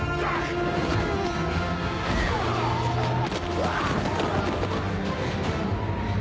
うわっ！